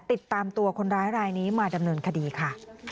ติดตามตัวคนร้ายรายนี้มาดำเนินคดีค่ะ